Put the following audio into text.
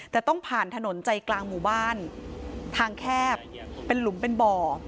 แต่ต้องผ่านถนนใจกลางหมู่บ้านทางแคบเป็นหลุมเป็นบ่อ